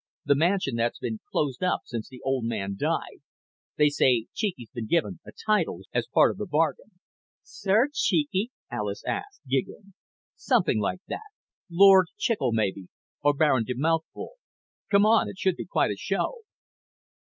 The mansion that's been closed up since the old man died. They say Cheeky's been given a title as part of the bargain." "Sir Cheeky?" Alis asked, giggling. "Something like that. Lord Chicle, maybe, or Baron de Mouthful. Come on. It should be quite a show."